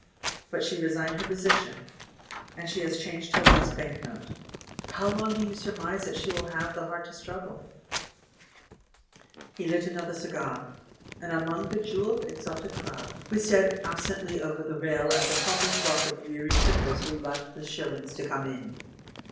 But she resigned her position, and she has changed her last bank note — how long do you surmise that she will have the heart to struggle?'* 48 THE MAN WHO UNDERSTOOD WOMEN He lit another cigar; and among the jewelled, exotic crowd we stared absently over the rail at the humble flock of weary trippers who lacked the shillings to come in.